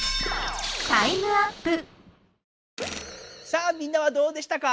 さあみんなはどうでしたか？